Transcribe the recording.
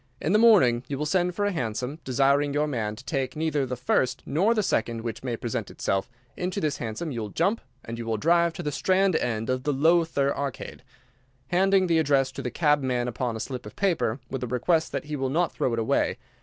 In the morning you will send for a hansom, desiring your man to take neither the first nor the second which may present itself. Into this hansom you will jump, and you will drive to the Strand end of the Lowther Arcade, handing the address to the cabman upon a slip of paper, with a request that he will not throw it away.